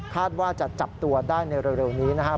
ว่าจะจับตัวได้ในเร็วนี้นะครับ